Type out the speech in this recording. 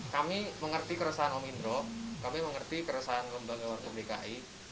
kami mengerti keresahan om indro kami mengerti keresahan lembaga warga dki